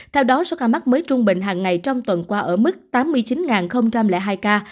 theo đó số ca mắc mới trung bình hàng ngày trong tuần qua ở mức tám mươi chín hai ca